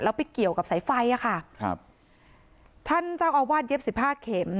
แล้วไปเกี่ยวกับสายไฟอ่ะค่ะครับท่านเจ้าอาวาสเย็บสิบห้าเข็ม